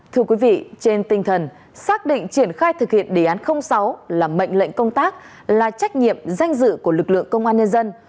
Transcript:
thưa quý vị trên tinh thần xác định triển khai thực hiện đề án sáu là mệnh lệnh công tác là trách nhiệm danh dự của lực lượng công an nhân dân